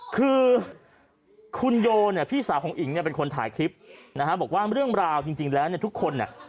คือคุณโยเนี่ยพี่สาวของอิ๋งเนี่ยเป็นคนถ่ายคลิปนะฮะบอกว่าเรื่องราวจริงแล้วเนี่ยทุกคนเนี่ย